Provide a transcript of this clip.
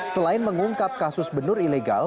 selain mengungkap kasus benur ilegal